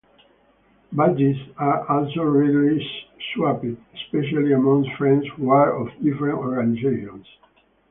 Badges are also readily swapped, especially amongst friends who are of different organizations.